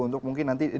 untuk mungkin nanti